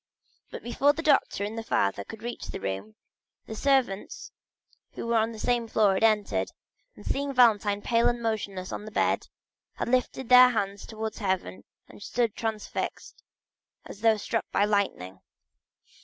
But before the doctor and the father could reach the room, the servants who were on the same floor had entered, and seeing Valentine pale and motionless on her bed, they lifted up their hands towards heaven and stood transfixed, as though struck by lightening.